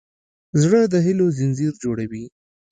زړه د هيلو ځنځیر جوړوي.